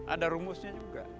ada rumusnya juga